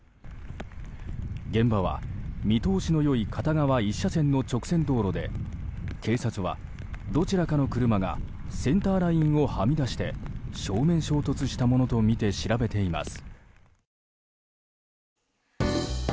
現場は見通しの良い片側１車線の直線道路で警察は、どちらかの車がセンターラインをはみ出して正面衝突したものとみて調べています。